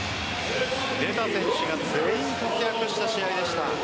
出た選手が全員活躍した試合でした。